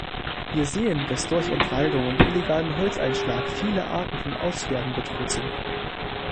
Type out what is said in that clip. Wir sehen, dass durch Entwaldung und illegalen Holzeinschlag viele Arten vom Aussterben bedroht sind.